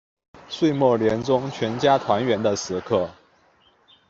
岁末年终全家团圆的时刻